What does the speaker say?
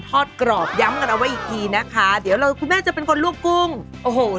แต่ก่อนจะทำน้ำยำเดี๋ยวเราจะต้องลวกกันก่อน